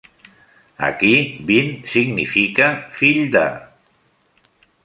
Aquí, "bin" significa "fill de".